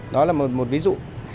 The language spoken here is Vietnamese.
đó là một ví dụ